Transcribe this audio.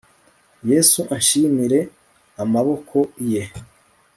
Yesu anshimire amaboko ye